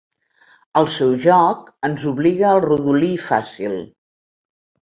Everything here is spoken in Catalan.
El seu joc ens obliga al rodolí fàcil.